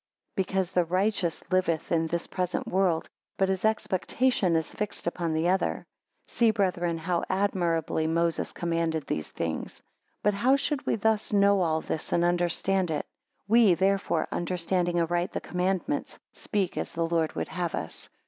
Because the righteous liveth in this present world; but his expectation is fixed upon the other. See, brethren, how admirably Moses commanded these things. 20 But how should we thus know all this, and understand it? We, therefore, understanding aright the commandments, speak as the Lord would have us.